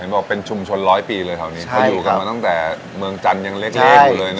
บอกเป็นชุมชนร้อยปีเลยแถวนี้เขาอยู่กันมาตั้งแต่เมืองจันทร์ยังเล็กอยู่เลยนะ